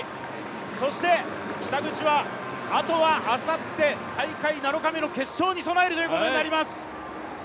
そして北口は、あとはあさって大会７日目の決勝に備えるということになります。